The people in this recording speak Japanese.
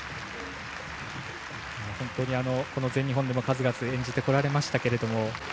本当にこの全日本でも数々演じてこられましたけども。